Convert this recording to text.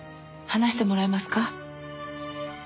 話してもらえますか。